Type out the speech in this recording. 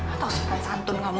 atau serta santun kamu